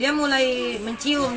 dia mulai mencium